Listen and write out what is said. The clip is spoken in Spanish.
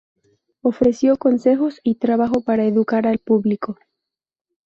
Ofreció consejos y trabajó para educar al público.